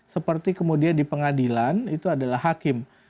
seperti kemudian di pengadilan itu adalah hakim